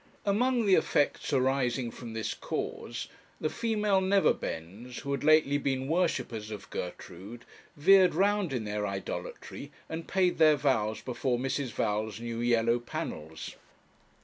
Among the effects arising from this cause, the female Neverbends, who had lately been worshippers of Gertrude, veered round in their idolatry, and paid their vows before Mrs. Val's new yellow panels.